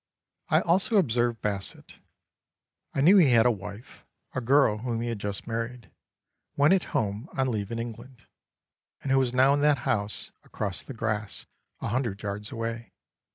I also observed Basset. I knew he had a wife, a girl whom he had just married, when at home on leave in England, and who was now in that house, across the grass, a hundred yards away.